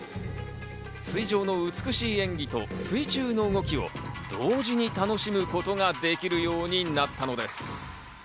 水上の美しい演技と水中の動きを同時に楽しむことができるようになったのです。